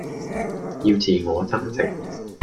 要自我增值